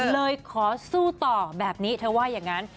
เลยขอสู้ต่อแบบนี้เธอว่าอย่างนั้น